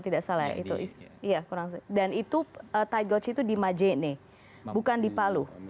dan itu tide gauge itu di majene bukan di palu